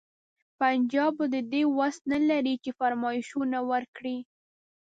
پنجاب به د دې وس نه لري چې فرمایشونه ورکړي.